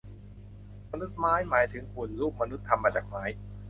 มนุษย์ไม้ หมายถึงหุ่นรูปมนุษย์ทำมาจากไม้